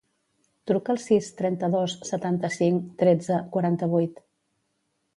Truca al sis, trenta-dos, setanta-cinc, tretze, quaranta-vuit.